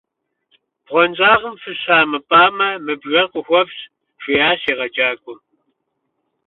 - Бгъуэнщӏагъым фыщамыпӏамэ, мы бжэр къухуэфщӏ, – жиӏащ егъэджакӏуэм.